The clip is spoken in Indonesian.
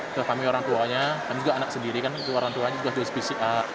itu kami orang tuanya kami juga anak sendiri kan orang tuanya juga harus pcr